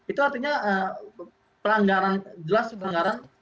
itu artinya jelas peranggaran kekuasaan